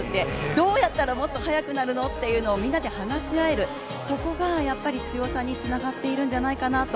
どうやったらもっと速くなるの？っていうのをみんなで話し合えるそこがやっぱり強さにつながっているんじゃないかなと。